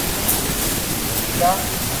ڏیڌا